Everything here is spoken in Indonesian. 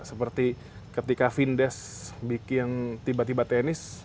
seperti ketika findes bikin tiba tiba tenis